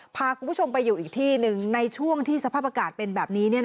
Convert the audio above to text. พาคุณผู้ชมไปอยู่อีกที่หนึ่งในช่วงที่สภาพอากาศเป็นแบบนี้